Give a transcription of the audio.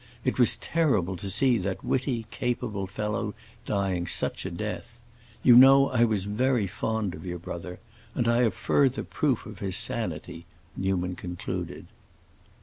It was terrible to see that witty, capable fellow dying such a death. You know I was very fond of your brother. And I have further proof of his sanity," Newman concluded.